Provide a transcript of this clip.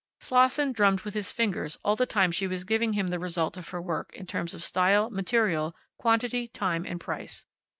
Slosson drummed with his fingers all the time she was giving him the result of her work in terms of style, material, quantity, time, and price.